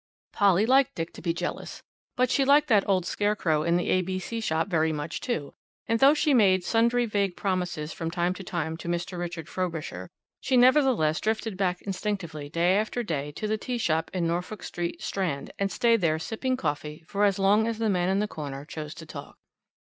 Polly liked Dick to be jealous, but she liked that old scarecrow in the A.B.C. shop very much too, and though she made sundry vague promises from time to time to Mr. Richard Frobisher, she nevertheless drifted back instinctively day after day to the tea shop in Norfolk Street, Strand, and stayed there sipping coffee for as long as the man in the corner chose to talk.